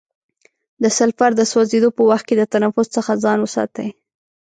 د سلفر د سوځیدو په وخت کې د تنفس څخه ځان وساتئ.